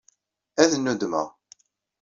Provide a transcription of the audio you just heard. Ad nnuddmeɣ.